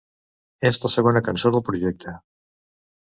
És la segona cançó del projecte.